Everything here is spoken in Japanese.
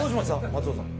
松尾さん。